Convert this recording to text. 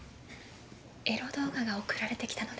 エロ動画が送られて来たので。